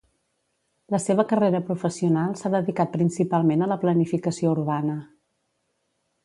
La seva carrera professional s'ha dedicat principalment a la planificació urbana.